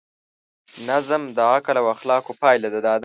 نظم د عقل او اخلاقو پایله ده.